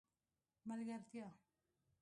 ملګرتیا